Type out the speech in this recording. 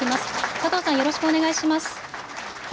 佐藤さん、よろしくお願いします。